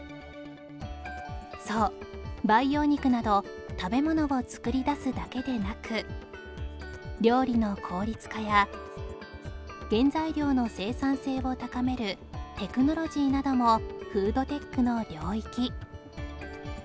そう培養肉など食べ物を作り出すだけでなく料理の効率化や原材料の生産性を高めるテクノロジーなどもフードテックの領域